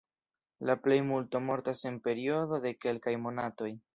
La plejmulto mortas en periodo de kelkaj monatoj.